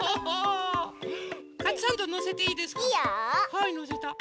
はいのせた。